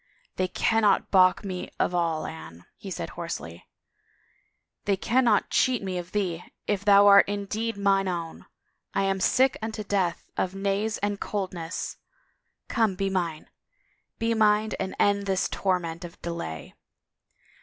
They cannot balk me of all, Anne," he said hoarsely. They cannot cheat me of thee, if thou art indeed mine own. I am sick imto death of nays and coldness — '5ome, be mine. Be mine and end this torment of delay